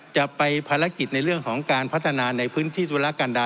จะไปภารกิจในเรื่องของการพัฒนาในพื้นที่ตุรกันดา